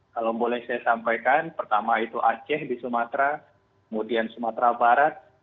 kalau boleh saya sampaikan pertama itu aceh di sumatera kemudian sumatera barat